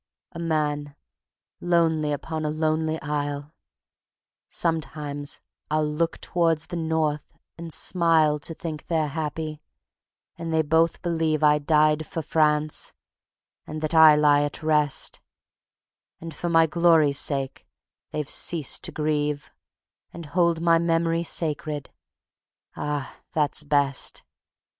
A man lonely upon a lonely isle, Sometimes I'll look towards the North and smile To think they're happy, and they both believe I died for France, and that I lie at rest; And for my glory's sake they've ceased to grieve, And hold my memory sacred. Ah! that's best.